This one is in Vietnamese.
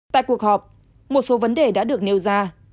tại cuộc họp một số vấn đề đã được nêu ra